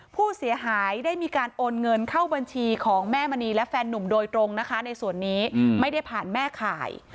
ผู้เสียหายได้มีการโอนเงินเข้าบัญชีของแม่มณีและแฟนนุ่มโดยตรงนะคะในส่วนนี้ไม่ได้ผ่านแม่ข่าย